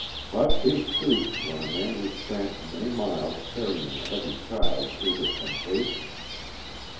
Hot beef soup, when a man has tramped many miles carrying a heavy child, is a temptation.